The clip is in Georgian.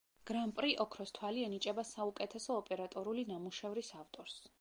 გრან-პრი „ოქროს თვალი“ ენიჭება საუკეთესო ოპერატორული ნამუშევრის ავტორს.